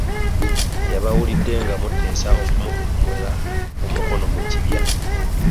Yabawulidde nga muteesa okumukunkumula omukono mu kibya.